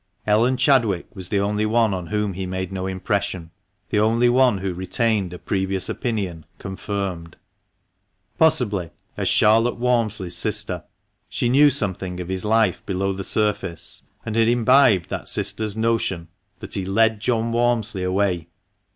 Ellen Chadwick was the only one on whom he made no impression, the only one who retained a previous opinion — confirmed. Possibly, as Charlotte Walmsley's sister, she knew something of his life below the surface, and had imbibed that sister's notion that he "led John Walmsley away."